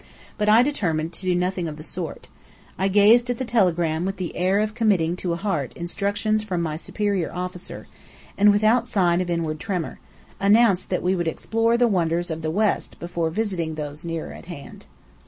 But I determined to do nothing of the sort. I gazed at the telegram with the air of committing to heart instructions from my superior officer; and without sign of inward tremour, announced that we would explore the wonders of the west before visiting those nearer at hand.